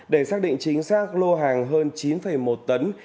để xác định chính xác lô hàng hơn chín một tấn